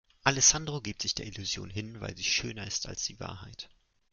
Alessandro gibt sich der Illusion hin, weil sie schöner ist als die Wahrheit.